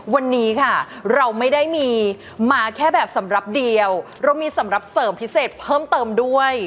วันนี้ค่ะเราไม่ได้มีมาแค่แบบสำหรับเดียวเรามีสำหรับเสริมพิเศษเพิ่มเติมด้วย